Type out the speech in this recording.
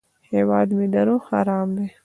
هیواد مې د روح ارام دی